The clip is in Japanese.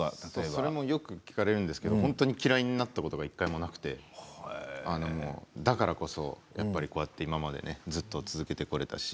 それもよく聞かれるんですけれども１回も嫌いになったことなくてだからこそ、こうやって今までずっと続けてこられたし。